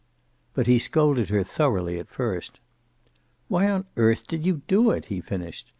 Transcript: But he scolded her thoroughly at first. "Why on earth did you do it," he finished.